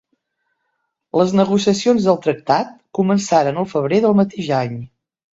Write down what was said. Les negociacions del tractat començaren el febrer del mateix any.